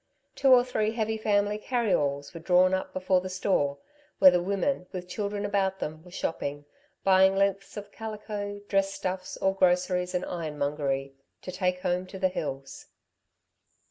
Two or three heavy family carry alls were drawn up before the store where the women, with children about them, were shopping, buying lengths of calico, dress stuffs, or groceries and ironmongery, to take home to the hills.